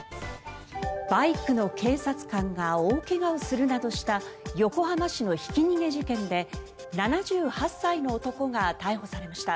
バイクの警察官が大怪我をするなどした横浜市のひき逃げ事件で７８歳の男が逮捕されました。